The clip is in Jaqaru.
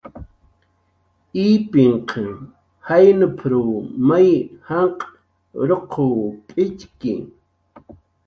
"Ipinhq jaynp""r may janq' ruqw p'itxki"